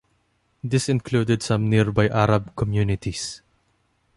This included some nearby Arab communities.